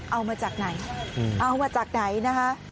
เอามาจากไหนเอามาจากไหนนะคะ